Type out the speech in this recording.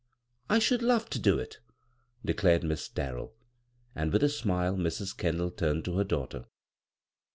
"[ should love to do it," declared Miss Darrell ; and with a smile Mrs. Kendall turned to her daughter.